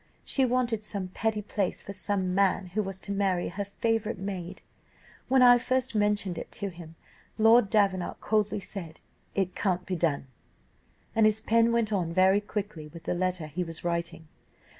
She wanted some petty place for some man who was to marry her favourite maid. When I first mentioned it to him, Lord Davenant coldly said, 'It can't be done,' and his pen went on very quickly with the letter he was writing.